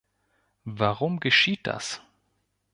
Warum geschieht das?